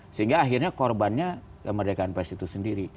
sehingga akhirnya korbannya kemerdekaan pers itu sendiri